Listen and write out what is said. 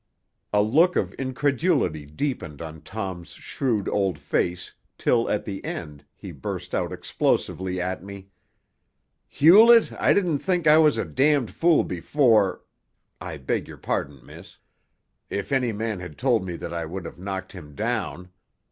A look of incredulity deepened on Tom's shrewd old face till, at the end, he burst out explosively at me: "Hewlett, I didn't think I was a damned fool before I beg your pardon, miss. If any man had told me that I would have knocked him down.